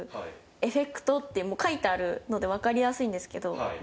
「エフェクト」って書いてあるので分かりやすいんですけど。